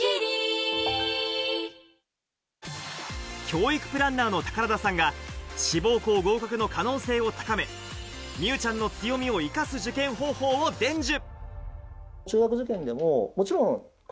教育プランナーの宝田さんが志望校合格の可能性を高め、美羽ちゃんの強みを生かす受験方法を伝授。